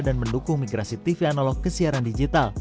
dan mendukung migrasi tv analog ke siaran digital